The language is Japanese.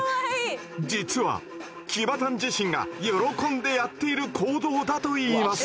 実はキバタン自身が喜んでやっている行動だといいます。